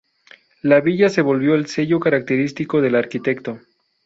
La villa se volvió el sello característico del arquitecto.